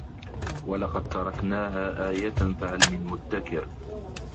وَلَقَد تَرَكناها آيَةً فَهَل مِن مُدَّكِرٍ